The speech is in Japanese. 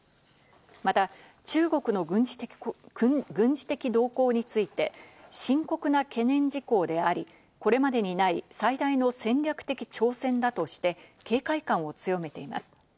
また、中国の軍事的動向について、深刻な懸念事項であり、これまでにない最大の戦略的挑戦だとして、警戒感を強めています。